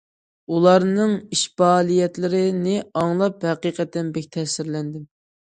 ئۇلارنىڭ ئىش- پائالىيەتلىرىنى ئاڭلاپ ھەقىقەتەن بەك تەسىرلەندىم.